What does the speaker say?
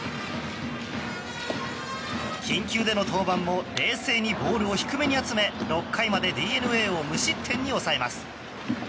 緊急での登板も冷静にボールを低めに集め６回までＤｅＮＡを無失点に抑えます。